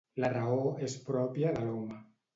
La raó és pròpia de l'home.